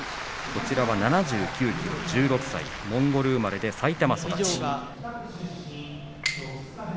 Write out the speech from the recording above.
こちらは７９ｋｇ、１６歳モンゴル生まれで埼玉育ち。